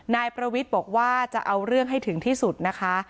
นายประวิทย์บอกว่าจะเอาเรื่องให้ถึงที่สุดนะคะ